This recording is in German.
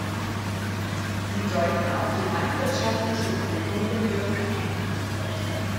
Sie deuten auf die landwirtschaftliche Prägung der Dörfer hin.